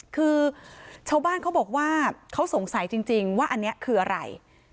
คือชาวบ้านเขาบอกว่าเขาสงสัยจริงว่าอันนี้คืออะไร